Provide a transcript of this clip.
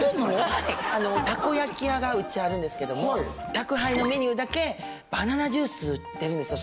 はいたこ焼き屋がうちあるんですけども宅配のメニューだけバナナジュース売ってるんですよ